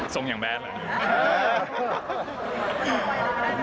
สูงอย่างแบดเหรอ